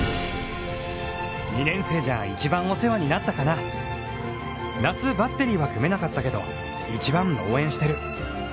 ２年生じゃ一番お世話になったかな夏バッテリーは組めなかったけど、一番応援してるよ。